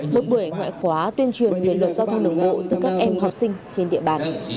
một buổi ngoại khóa tuyên truyền về luật giao thông đường bộ từ các em học sinh trên địa bàn